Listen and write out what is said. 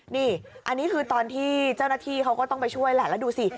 นี่อันนี้คือตอนที่เจ้าหน้าที่เขาก็ต้องไปช่วยแหละแล้วดูสิ